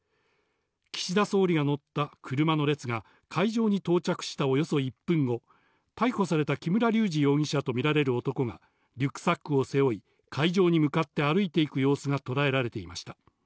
岸田総理が乗った車の列が、会場に到着したおよそ１分後、逮捕された木村隆二容疑者と見られる男が、リュックサックを背負い、会場に向かって歩いていく様子が捉えられていました。